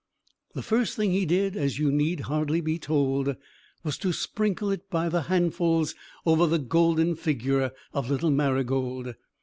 The first thing he did, as you need hardly be told, was to sprinkle it by handfuls over the golden figure of little Marygold.